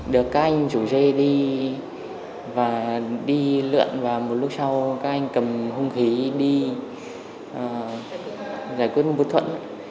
được các anh chủ dây đi và đi lượn và một lúc sau các anh cầm hung khí đi giải quyết vụ thuận